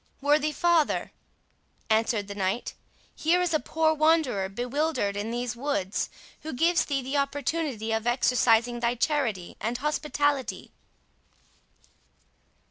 "Worthy father," answered the knight, "here is a poor wanderer bewildered in these woods, who gives thee the opportunity of exercising thy charity and hospitality."